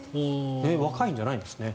若いんじゃないんですね。